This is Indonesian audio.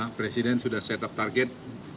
presiden sudah set up target